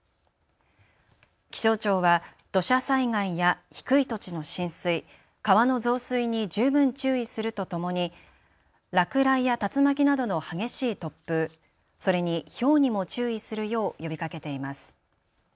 気象庁は土砂災害や低い土地の浸水、川の増水に十分注意するとともに落雷や竜巻などの激しい突風、それにひょうにも注意するよう呼びかけています。